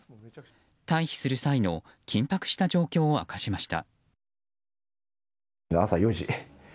退避する際の緊迫した状況を明かしました。